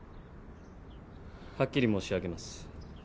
はっきり申し上げます。